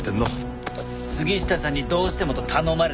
杉下さんにどうしてもと頼まれたんだよ冠城亘。